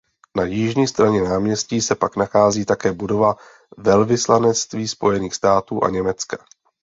Na jižní straně náměstí se pak nachází také budova velvyslanectví Spojených států a Německa.